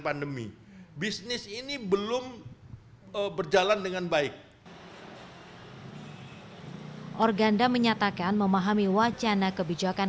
pandemi bisnis ini belum berjalan dengan baik organda menyatakan memahami wacana kebijakan